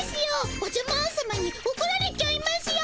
おじゃマーンさまにおこられちゃいますよ。